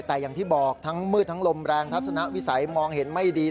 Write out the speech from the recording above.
แต่อย่างที่บอกทั้งมืดทั้งลมแรงทัศนวิสัยมองเห็นไม่ดี